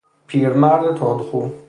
پیرمرد تندخو